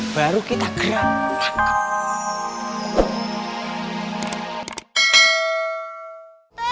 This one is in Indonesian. baru kita kerasa